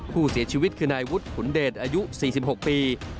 ผู้เสียชีวิตคือนายวุฒิขุนเดชอายุ๔๖ปี